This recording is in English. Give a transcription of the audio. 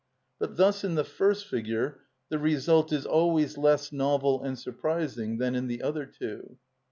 But thus in the first figure the result is always less novel and surprising than in the other two.